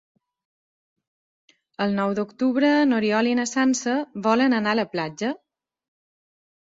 El nou d'octubre n'Oriol i na Sança volen anar a la platja.